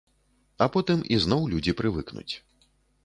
А потым ізноў людзі прывыкнуць.